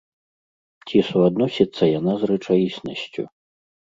Ці суадносіцца яна з рэчаіснасцю?